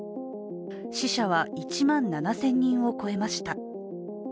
死者は１万７０００人を超えました。